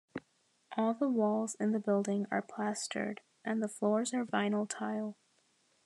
All the walls in the building are plastered, and the floors are vinyl tile.